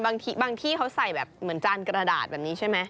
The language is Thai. บางที่เขาใส่แบบเหมือนจานกระดาษแบบนี้ใช่ไหม